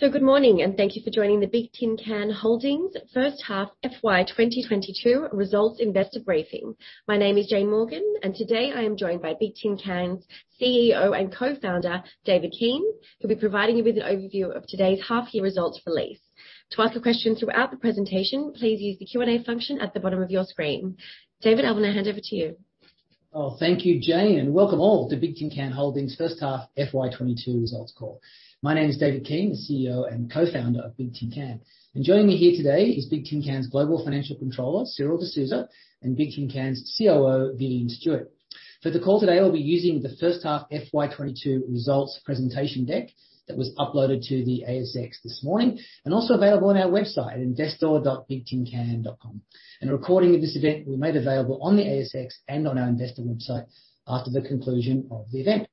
Good morning, and thank you for joining the Bigtincan Holdings first half FY 2022 results investor briefing. My name is Jane Morgan, and today I am joined by Bigtincan's CEO and co-founder, David Keane, who'll be providing you with an overview of today's half year results release. To ask a question throughout the presentation, please use the Q&A function at the bottom of your screen. David, I wanna hand over to you. Oh, thank you, Jane, and welcome all to Bigtincan Holdings first half FY 2022 results call. My name is David Keane, the CEO and co-founder of Bigtincan. Joining me here today is Bigtincan's Global Financial Controller, Cyril Desouza, and Bigtincan's COO, Vivian Stewart. For the call today, we'll be using the first half FY 2022 results presentation deck that was uploaded to the ASX this morning, and also available on our website, investor.bigtincan.com. A recording of this event will be made available on the ASX and on our investor website after the conclusion of the event.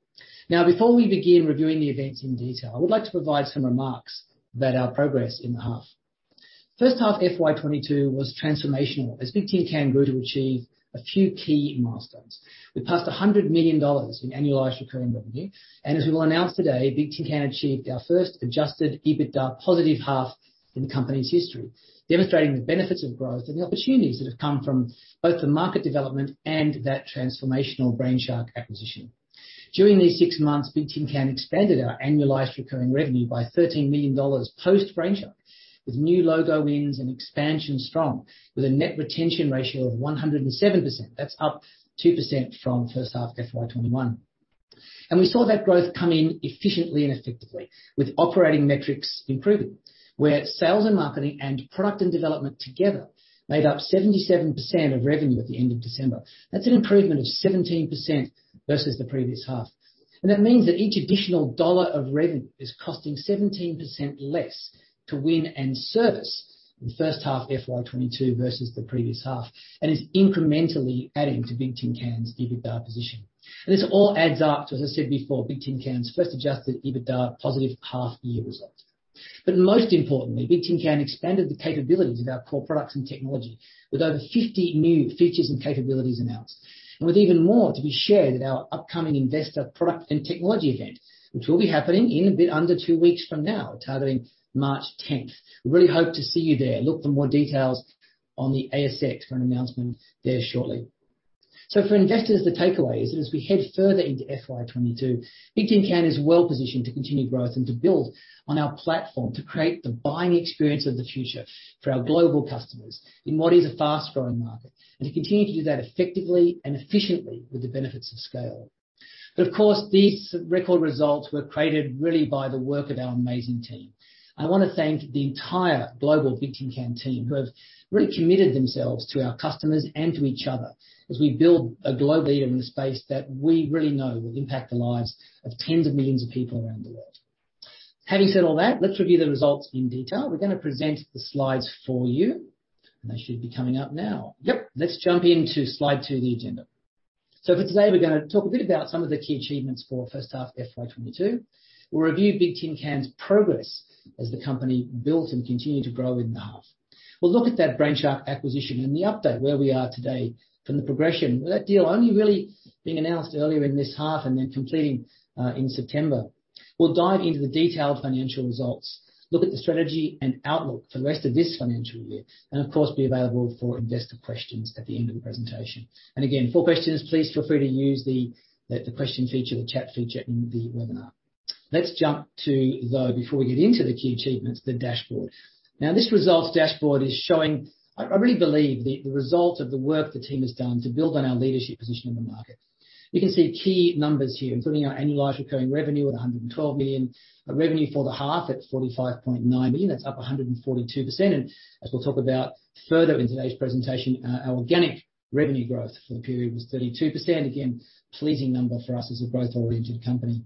Now, before we begin reviewing the events in detail, I would like to provide some remarks about our progress in the half. First half FY 2022 was transformational as Bigtincan grew to achieve a few key milestones. We passed $100 million in annualized recurring revenue, and as we will announce today, Bigtincan achieved our first adjusted EBITDA positive half in the company's history, demonstrating the benefits of growth and the opportunities that have come from both the market development and that transformational Brainshark acquisition. During these six months, Bigtincan expanded our annualized recurring revenue by $13 million post-Brainshark, with new logo wins and expansion strong, with a net retention ratio of 107%. That's up 2% from first half FY 2021. We saw that growth come in efficiently and effectively with operating metrics improving, where sales and marketing and product and development together made up 77% of revenue at the end of December. That's an improvement of 17% versus the previous half. That means that each additional dollar of revenue is costing 17% less to win and service in the first half FY 2022 versus the previous half. It's incrementally adding to Bigtincan's EBITDA position. This all adds up to, as I said before, Bigtincan's first adjusted EBITDA positive half year results. Most importantly, Bigtincan expanded the capabilities of our core products and technology with over 50 new features and capabilities announced, and with even more to be shared at our upcoming Investor Product and Technology event, which will be happening in a bit under two weeks from now, targeting March 10. We really hope to see you there. Look for more details on the ASX for an announcement there shortly. For investors, the takeaway is that as we head further into FY 2022, Bigtincan is well-positioned to continue growth and to build on our platform to create the buying experience of the future for our global customers in what is a fast-growing market, and to continue to do that effectively and efficiently with the benefits of scale. Of course, these record results were created really by the work of our amazing team. I wanna thank the entire global Bigtincan team, who have really committed themselves to our customers and to each other as we build a global leader in the space that we really know will impact the lives of tens of millions of people around the world. Having said all that, let's review the results in detail. We're gonna present the slides for you, and they should be coming up now. Yep. Let's jump into slide two, the agenda. For today, we're gonna talk a bit about some of the key achievements for first half FY 2022. We'll review Bigtincan's progress as the company built and continued to grow in the half. We'll look at that Brainshark acquisition and the update where we are today from the progression, with that deal only really being announced earlier in this half and then completing in September. We'll dive into the detailed financial results, look at the strategy and outlook for the rest of this financial year. We'll, of course, be available for investor questions at the end of the presentation. Again, for questions, please feel free to use the question feature, the chat feature in the webinar. Let's jump to, though, before we get into the key achievements, the dashboard. This results dashboard is showing. I really believe the result of the work the team has done to build on our leadership position in the market. You can see key numbers here, including our annualized recurring revenue at $112 million. Our revenue for the half at $45.9 million. That's up 142%. As we'll talk about further in today's presentation, our organic revenue growth for the period was 32%. Again, pleasing number for us as a growth-oriented company.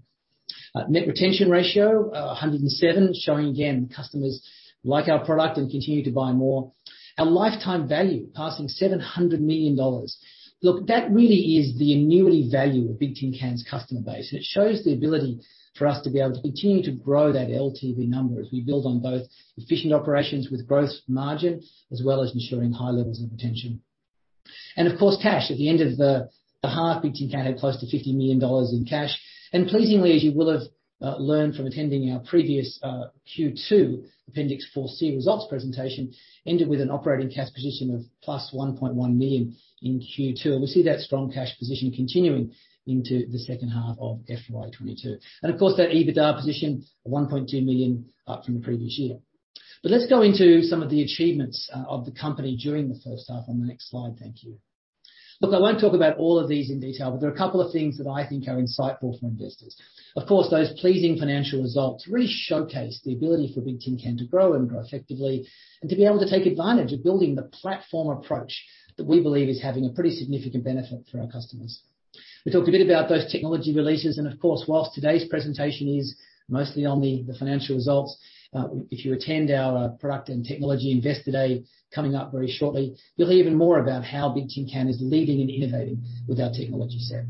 Net retention ratio, 107, showing again, customers like our product and continue to buy more. Our lifetime value passing $700 million. Look, that really is the annuity value of Bigtincan's customer base, and it shows the ability for us to be able to continue to grow that LTV number as we build on both efficient operations with growth margin, as well as ensuring high levels of retention. Of course, cash. At the end of the half, Bigtincan had close to $50 million in cash. Pleasingly, as you will have learned from attending our previous Q2 Appendix 4C results presentation, ended with an operating cash position of plus $1.1 million in Q2. We see that strong cash position continuing into the second half of FY 2022. Of course, that EBITDA position, $1.2 million, up from the previous year. Let's go into some of the achievements of the company during the first half on the next slide. Thank you. Look, I won't talk about all of these in detail, but there are a couple of things that I think are insightful for investors. Of course, those pleasing financial results really showcase the ability for Bigtincan to grow and grow effectively, and to be able to take advantage of building the platform approach that we believe is having a pretty significant benefit for our customers. We talked a bit about those technology releases, and of course, while today's presentation is mostly on the financial results, if you attend our product and technology investor day coming up very shortly, you'll hear even more about how Bigtincan is leading and innovating with our technology set.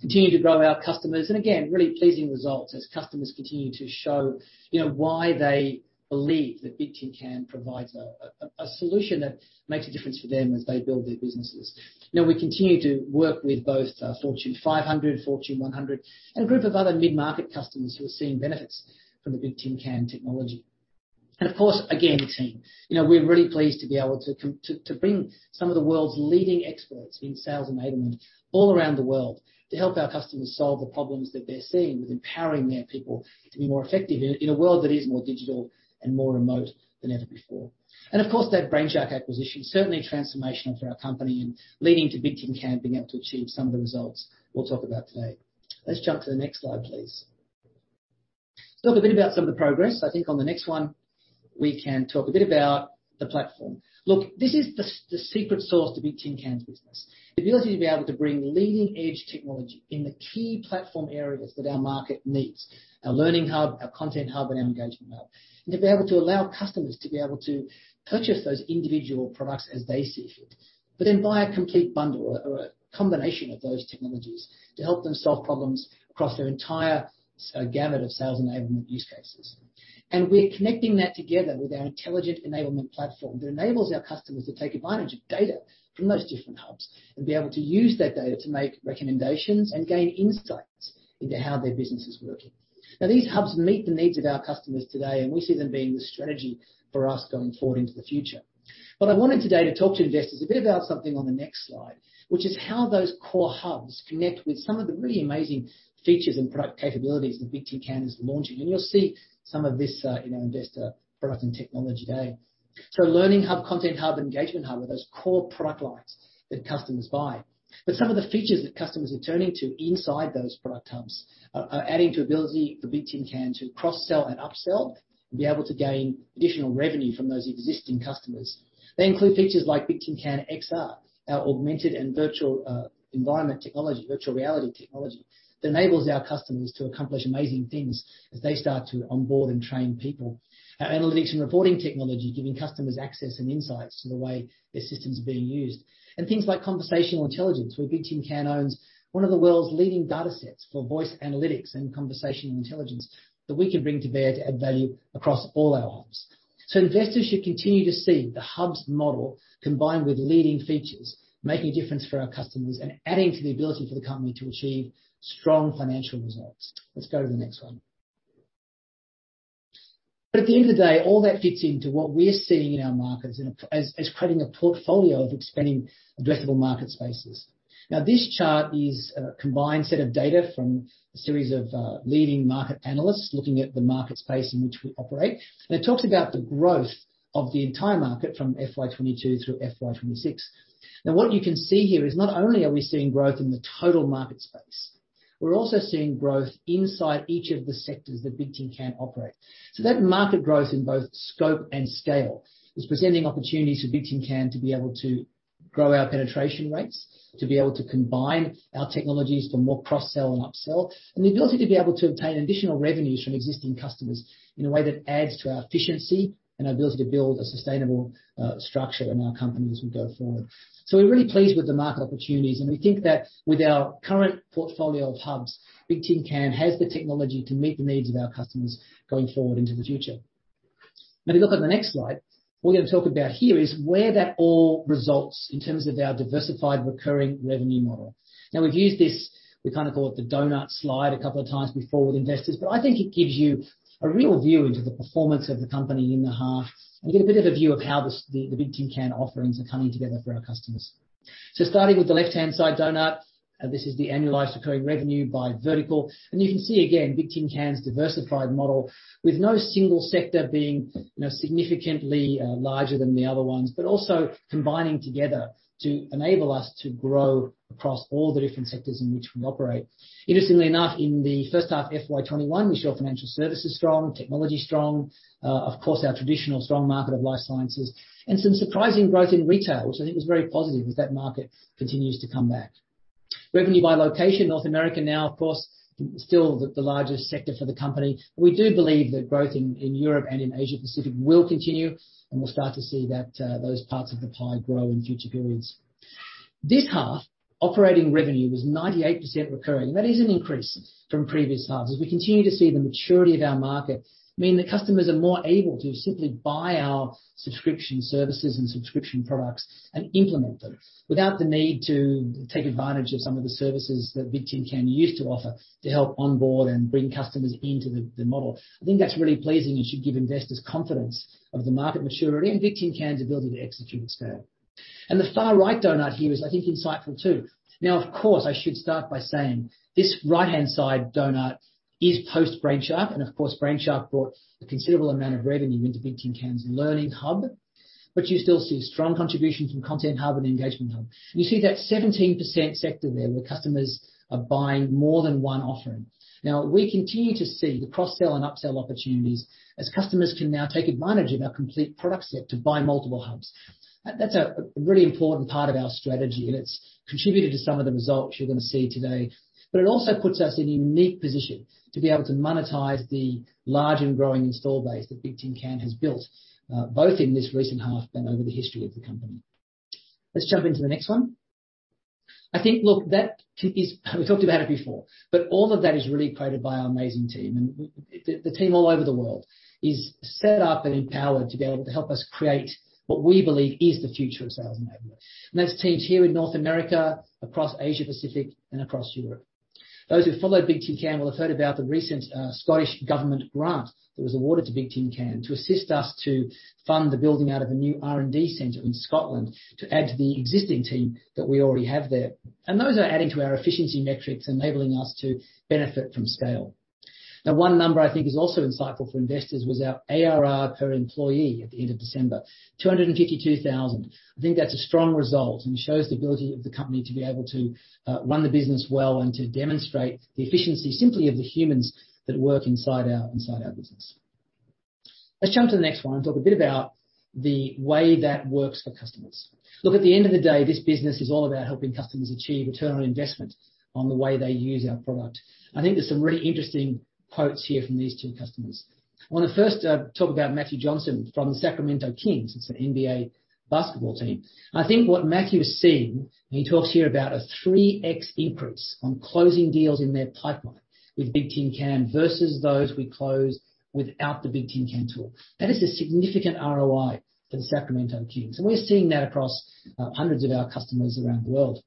Continue to grow our customers. Again, really pleasing results as customers continue to show, you know, why they believe that Bigtincan provides a solution that makes a difference for them as they build their businesses. Now, we continue to work with both, Fortune 500, Fortune 100, and a group of other mid-market customers who are seeing benefits from the Bigtincan technology. Of course, again, team, you know, we're really pleased to be able to to bring some of the world's leading experts in sales enablement all around the world to help our customers solve the problems that they're seeing with empowering their people to be more effective in a world that is more digital and more remote than ever before. Of course, that Brainshark acquisition, certainly transformational for our company and leading to Bigtincan being able to achieve some of the results we'll talk about today. Let's jump to the next slide, please. Talk a bit about some of the progress. I think on the next one, we can talk a bit about the platform. Look, this is the secret sauce to Bigtincan's business. The ability to be able to bring leading-edge technology in the key platform areas that our market needs, our Learning Hub, our Content Hub, and our Engagement Hub. To be able to allow customers to be able to purchase those individual products as they see fit, but then buy a complete bundle or a combination of those technologies to help them solve problems across their entire gamut of sales enablement use cases. We're connecting that together with our intelligent enablement platform that enables our customers to take advantage of data from those different hubs and be able to use that data to make recommendations and gain insights into how their business is working. Now, these hubs meet the needs of our customers today, and we see them being the strategy for us going forward into the future. But I wanted today to talk to investors a bit about something on the next slide, which is how those core hubs connect with some of the really amazing features and product capabilities that Bigtincan is launching. You'll see some of this, you know, investor product and technology today. Learning Hub, Content Hub, Engagement Hub are those core product lines that customers buy. Some of the features that customers are turning to inside those product hubs are adding to ability for Bigtincan to cross-sell and upsell and be able to gain additional revenue from those existing customers. They include features like Bigtincan XR, our augmented and virtual environment technology, virtual reality technology, that enables our customers to accomplish amazing things as they start to onboard and train people. Our analytics and reporting technology, giving customers access and insights to the way their systems are being used. Things like conversational intelligence, where Bigtincan owns one of the world's leading datasets for voice analytics and conversational intelligence that we can bring to bear to add value across all our hubs. Investors should continue to see the hubs model combined with leading features, making a difference for our customers and adding to the ability for the company to achieve strong financial results. Let's go to the next one. At the end of the day, all that fits into what we're seeing in our markets in creating a portfolio of expanding addressable market spaces. Now, this chart is a combined set of data from a series of leading market analysts looking at the market space in which we operate. It talks about the growth of the entire market from FY 2022 through FY 2026. Now, what you can see here is not only are we seeing growth in the total market space, we're also seeing growth inside each of the sectors that Bigtincan operate. That market growth in both scope and scale is presenting opportunities for Bigtincan to be able to grow our penetration rates, to be able to combine our technologies for more cross-sell and upsell, and the ability to be able to obtain additional revenues from existing customers in a way that adds to our efficiency and our ability to build a sustainable, structure in our company as we go forward. We're really pleased with the market opportunities, and we think that with our current portfolio of hubs, Bigtincan has the technology to meet the needs of our customers going forward into the future. Now, if you look at the next slide, what we're gonna talk about here is where that all results in terms of our diversified recurring revenue model. Now, we've used this, we kinda call it the donut slide, a couple of times before with investors, but I think it gives you a real view into the performance of the company in the half, and you get a bit of a view of how the Bigtincan offerings are coming together for our customers. Starting with the left-hand side donut, this is the annualized recurring revenue by vertical. You can see again Bigtincan's diversified model with no single sector being, you know, significantly larger than the other ones. Also combining together to enable us to grow across all the different sectors in which we operate. Interestingly enough, in the first half of FY 2021, we saw financial services strong, technology strong, of course, our traditional strong market of life sciences, and some surprising growth in retail, which I think is very positive as that market continues to come back. Revenue by location, North America now, of course, still the largest sector for the company. We do believe that growth in Europe and in Asia Pacific will continue, and we'll start to see that those parts of the pie grow in future periods. This half, operating revenue was 98% recurring. That is an increase from previous halves as we continue to see the maturity of our market mean that customers are more able to simply buy our subscription services and subscription products and implement them without the need to take advantage of some of the services that Bigtincan used to offer to help onboard and bring customers into the model. I think that's really pleasing and should give investors confidence of the market maturity and Bigtincan's ability to execute at scale. The far right donut here is, I think, insightful too. Now, of course, I should start by saying this right-hand side donut is post-Brainshark, and of course, Brainshark brought a considerable amount of revenue into Bigtincan's Learning Hub, but you still see strong contribution from Content Hub and Engagement Hub. You see that 17% sector there where customers are buying more than one offering. Now, we continue to see the cross-sell and upsell opportunities as customers can now take advantage of our complete product set to buy multiple hubs. That's a really important part of our strategy, and it's contributed to some of the results you're gonna see today. But it also puts us in a unique position to be able to monetize the large and growing install base that Bigtincan has built, both in this recent half and over the history of the company. Let's jump into the next one. I think, look, we talked about it before, but all of that is really created by our amazing team. The team all over the world is set up and empowered to be able to help us create what we believe is the future of sales enablement. That's teams here in North America, across Asia Pacific and across Europe. Those who've followed Bigtincan will have heard about the recent Scottish Government grant that was awarded to Bigtincan to assist us to fund the building out of a new R&D center in Scotland to add to the existing team that we already have there. Those are adding to our efficiency metrics, enabling us to benefit from scale. Now, one number I think is also insightful for investors was our ARR per employee at the end of December, 252,000. I think that's a strong result and shows the ability of the company to be able to run the business well and to demonstrate the efficiency simply of the humans that work inside our business. Let's jump to the next one and talk a bit about the way that works for customers. Look, at the end of the day, this business is all about helping customers achieve return on investment on the way they use our product. I think there's some really interesting quotes here from these two customers. I want to first talk about Matthew Johnson from the Sacramento Kings. It's an NBA basketball team. I think what Matthew is seeing, and he talks here about a 3x increase on closing deals in their pipeline with Bigtincan versus those we close without the Bigtincan tool. That is a significant ROI for the Sacramento Kings, and we're seeing that across hundreds of our customers around the world.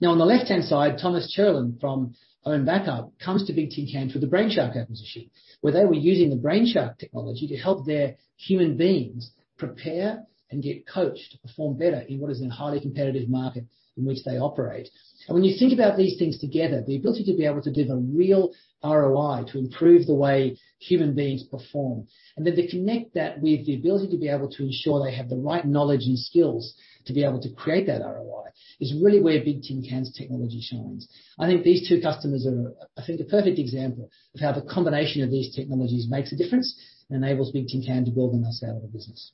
Now, on the left-hand side, Thomas Cheriyan from OwnBackup comes to Bigtincan through the Brainshark acquisition, where they were using the Brainshark technology to help their human beings prepare and get coached to perform better in what is a highly competitive market in which they operate. When you think about these things together, the ability to be able to deliver real ROI to improve the way human beings perform, and then to connect that with the ability to be able to ensure they have the right knowledge and skills to be able to create that ROI, is really where Bigtincan's technology shines. I think these two customers are a perfect example of how the combination of these technologies makes a difference and enables Bigtincan to build on our saleable business.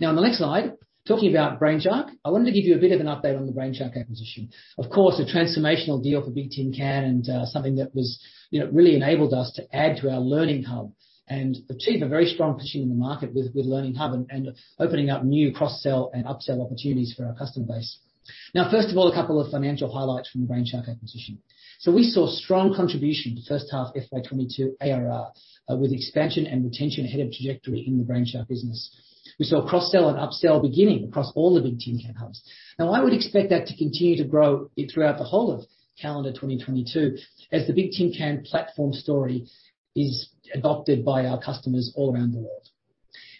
Now, on the next slide, talking about Brainshark, I wanted to give you a bit of an update on the Brainshark acquisition. Of course, a transformational deal for Bigtincan and something that was, you know, really enabled us to add to our Learning Hub and achieve a very strong position in the market with Learning Hub and opening up new cross-sell and upsell opportunities for our customer base. Now, first of all, a couple of financial highlights from the Brainshark acquisition. We saw strong contribution to first half FY 2022 ARR with expansion and retention ahead of trajectory in the Brainshark business. We saw cross-sell and upsell beginning across all the Bigtincan hubs. Now I would expect that to continue to grow throughout the whole of calendar 2022 as the Bigtincan platform story is adopted by our customers all around the world.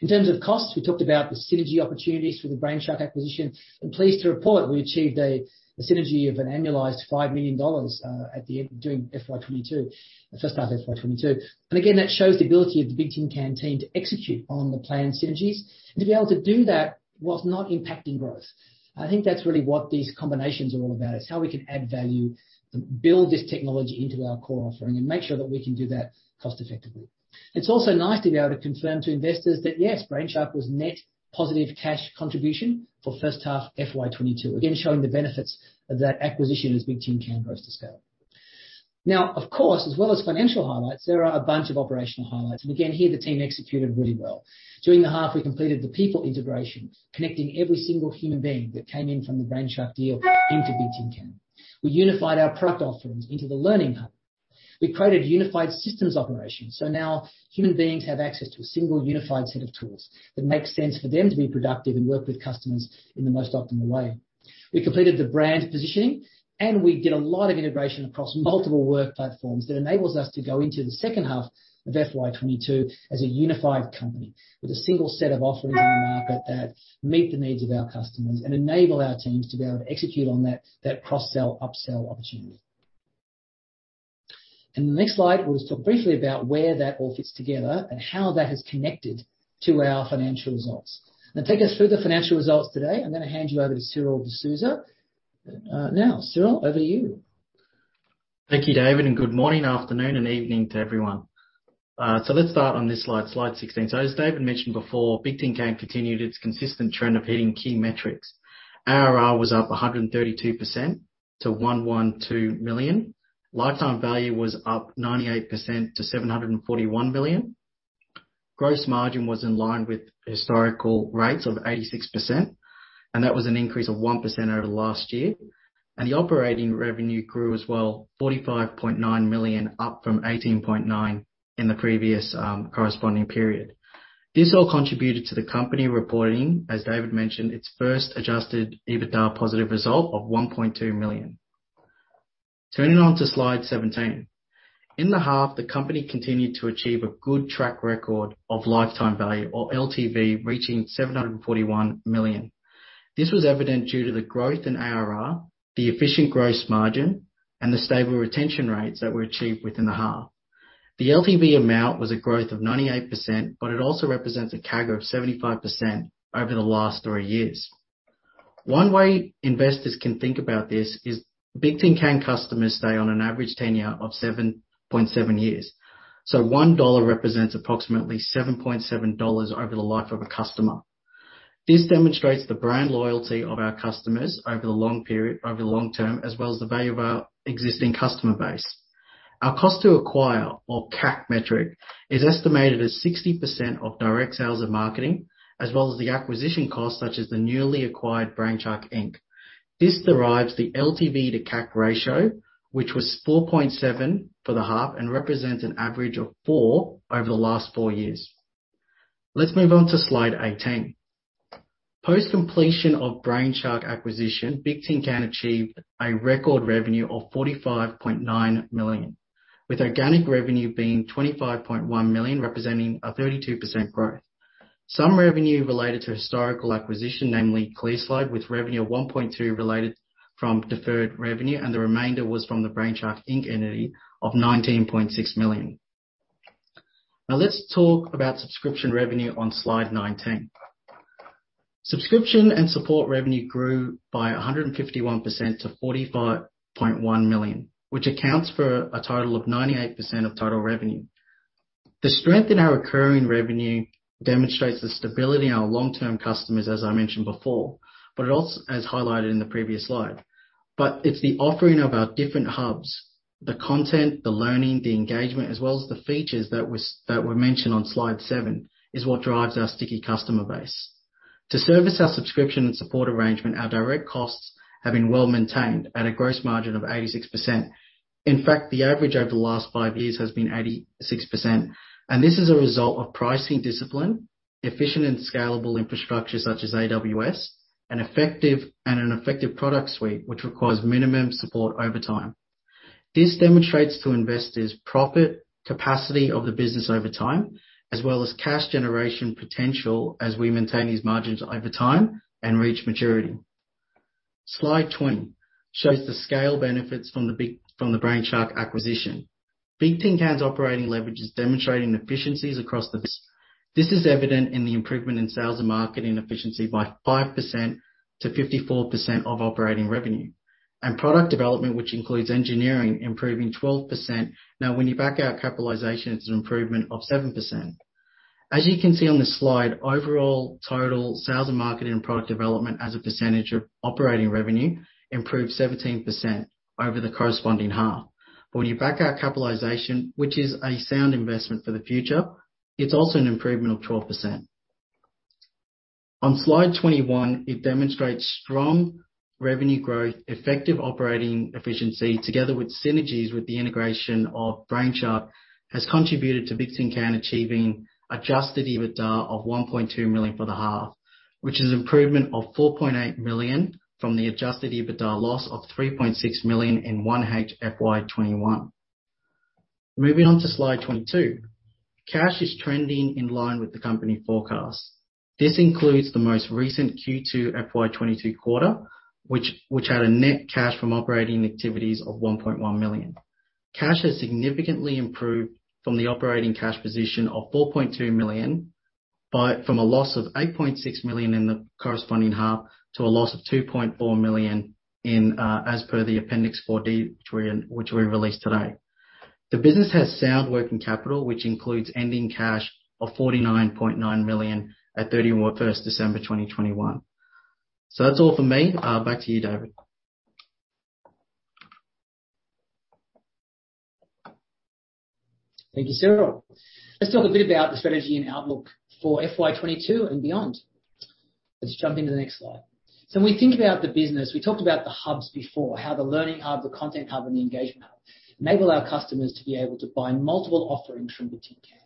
In terms of costs, we talked about the synergy opportunities for the Brainshark acquisition and pleased to report we achieved a synergy of an annualized $5 million during FY 2022, first half FY 2022. That shows the ability of the Bigtincan team to execute on the planned synergies and to be able to do that while not impacting growth. I think that's really what these combinations are all about. It's how we can add value, build this technology into our core offering and make sure that we can do that cost effectively. It's also nice to be able to confirm to investors that, yes, Brainshark was net positive cash contribution for first half FY 2022. Again, showing the benefits of that acquisition as Bigtincan grows to scale. Now, of course, as well as financial highlights, there are a bunch of operational highlights. Again, here the team executed really well. During the half, we completed the people integration, connecting every single human being that came in from the Brainshark deal into Bigtincan. We unified our product offerings into the Learning Hub. We created unified systems operations. Now human beings have access to a single unified set of tools that makes sense for them to be productive and work with customers in the most optimal way. We completed the brand positioning, and we did a lot of integration across multiple work platforms that enables us to go into the second half of FY 2022 as a unified company with a single set of offerings in the market that meet the needs of our customers and enable our teams to be able to execute on that cross-sell, upsell opportunity. In the next slide, we'll just talk briefly about where that all fits together and how that has connected to our financial results. Now, take us through the financial results today. I'm gonna hand you over to Cyril Desouza. Now, Cyril, over to you. Thank you, David, and good morning, afternoon and evening to everyone. Let's start on this slide 16. As David mentioned before, Bigtincan continued its consistent trend of hitting key metrics. ARR was up 132% to $112 million. Lifetime value was up 98% to $741 million. Gross margin was in line with historical rates of 86%, and that was an increase of 1% over last year. The operating revenue grew as well, $45.9 million, up from $18.9 million in the previous corresponding period. This all contributed to the company reporting, as David mentioned, its first adjusted EBITDA positive result of $1.2 million. Turning to slide 17. In the half, the company continued to achieve a good track record of lifetime value or LTV reaching $741 million. This was evident due to the growth in ARR, the efficient gross margin, and the stable retention rates that were achieved within the half. The LTV amount was a growth of 98%, but it also represents a CAGR of 75% over the last three years. One way investors can think about this is Bigtincan customers stay on an average tenure of 7.7 years. One dollar represents approximately $7.7 over the life of a customer. This demonstrates the brand loyalty of our customers over the long period, over the long term, as well as the value of our existing customer base. Our cost to acquire or CAC metric is estimated as 60% of direct sales and marketing, as well as the acquisition costs such as the newly acquired Brainshark, Inc. This derives the LTV to CAC ratio, which was 4.7 for the half and represents an average of four over the last four years. Let's move on to slide 18. Post completion of Brainshark acquisition, Bigtincan achieved a record revenue of $45.9 million, with organic revenue being $25.1 million, representing a 32% growth. Some revenue related to historical acquisition, namely ClearSlide, with revenue of $1.2 million related from deferred revenue, and the remainder was from the Brainshark, Inc. entity of $19.6 million. Now let's talk about subscription revenue on slide 19. Subscription and support revenue grew by 151% to $45.1 million, which accounts for a total of 98% of total revenue. The strength in our recurring revenue demonstrates the stability in our long term customers as I mentioned before, but it also as highlighted in the previous slide. It's the offering of our different hubs, the content, the learning, the engagement as well as the features that were mentioned on slide seven is what drives our sticky customer base. To service our subscription and support arrangement, our direct costs have been well maintained at a gross margin of 86%. In fact, the average over the last five years has been 86%, and this is a result of pricing discipline, efficient and scalable infrastructure such as AWS, an effective product suite which requires minimum support over time. This demonstrates to investors profit, capacity of the business over time, as well as cash generation potential as we maintain these margins over time and reach maturity. Slide 20 shows the scale benefits from the Brainshark acquisition. Bigtincan's operating leverage is demonstrating efficiencies across the business. This is evident in the improvement in sales and marketing efficiency by 5% to 54% of operating revenue. Product development, which includes engineering, improving 12%. Now when you back out capitalization, it's an improvement of 7%. As you can see on this slide, overall total sales and marketing and product development as a percentage of operating revenue improved 17% over the corresponding half. When you back out capitalization, which is a sound investment for the future, it's also an improvement of 12%. On slide 21, it demonstrates strong revenue growth, effective operating efficiency together with synergies with the integration of Brainshark, has contributed to Bigtincan achieving adjusted EBITDA of $1.2 million for the half. Which is improvement of $4.8 million from the adjusted EBITDA loss of $3.6 million in 1H FY 2021. Moving on to slide 22. Cash is trending in line with the company forecast. This includes the most recent Q2 FY 2022 quarter, which had a net cash from operating activities of $1.1 million. Cash has significantly improved from a loss of $8.6 million in the corresponding half to a loss of $2.4 million, as per the Appendix 4D, which we released today. The business has sound working capital, which includes ending cash of $49.9 million at 31 December 2021. That's all from me. Back to you, David. Thank you, Cyril. Let's talk a bit about the strategy and outlook for FY 2022 and beyond. Let's jump into the next slide. When we think about the business, we talked about the hubs before, how the Learning Hub, the Content Hub and the Engagement Hub enable our customers to be able to buy multiple offerings from Bigtincan.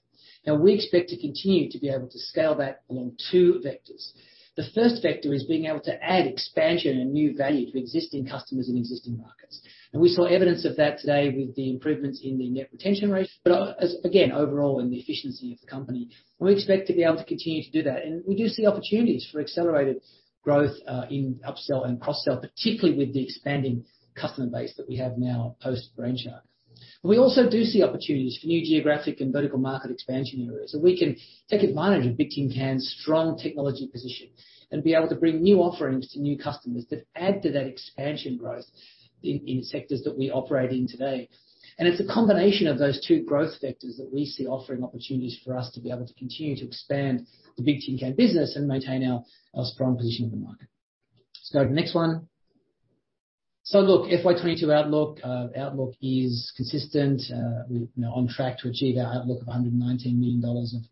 Now, we expect to continue to be able to scale that along two vectors. The first vector is being able to add expansion and new value to existing customers in existing markets. We saw evidence of that today with the improvements in the net retention rate. As again, overall in the efficiency of the company, we expect to be able to continue to do that. We do see opportunities for accelerated growth in upsell and cross-sell, particularly with the expanding customer base that we have now post Brainshark. We also do see opportunities for new geographic and vertical market expansion areas, so we can take advantage of Bigtincan's strong technology position and be able to bring new offerings to new customers that add to that expansion growth in sectors that we operate in today. It's a combination of those two growth vectors that we see offering opportunities for us to be able to continue to expand the Bigtincan business and maintain our strong position in the market. Next one. Look, FY 2022 outlook. Outlook is consistent, we're, you know, on track to achieve our outlook of $119 million of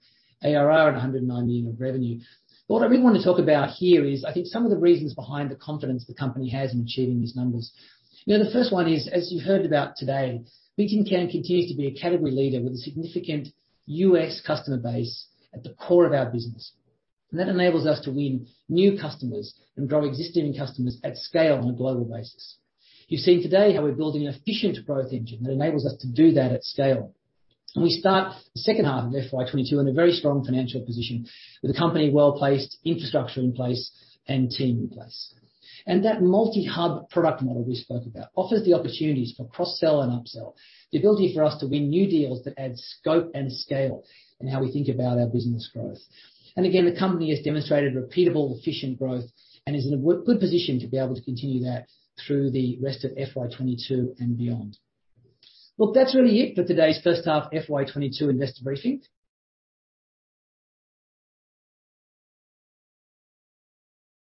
ARR and $109 million of revenue. What I really want to talk about here is I think some of the reasons behind the confidence the company has in achieving these numbers. You know, the first one is, as you heard about today, Bigtincan continues to be a category leader with a significant U.S. customer base at the core of our business. That enables us to win new customers and grow existing customers at scale on a global basis. You've seen today how we're building an efficient growth engine that enables us to do that at scale. We start the second half of FY 2022 in a very strong financial position with the company well-placed, infrastructure in place and team in place. That multi-hub product model we spoke about offers the opportunities for cross-sell and upsell, the ability for us to win new deals that add scope and scale in how we think about our business growth. Again, the company has demonstrated repeatable, efficient growth and is in a good position to be able to continue that through the rest of FY 2022 and beyond. Look, that's really it for today's first half FY 2022 investor briefing.